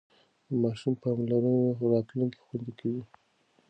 د ماشوم پاملرنه راتلونکی خوندي کوي.